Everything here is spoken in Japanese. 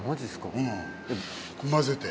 うん混ぜて。